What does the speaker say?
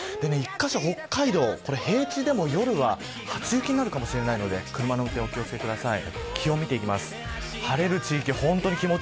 １カ所、北海道、平地でも夜は初雪になるかもしれないので車の運転にお気を付けください。